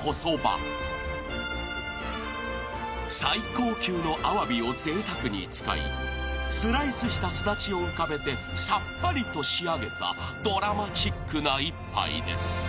［最高級のアワビをぜいたくに使いスライスしたスダチを浮かべてさっぱりと仕上げたドラマチックな１杯です］